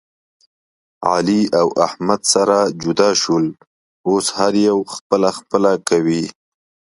علي او احمد سره جدا شول. اوس هر یو خپله خپله کوي.